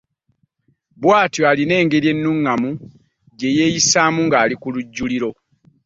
Bw’atyo alina engeri ennungamu gye yeeyisaamu ng’ali ku lujjuliro.